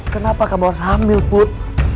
kenapa kamu harus hamil put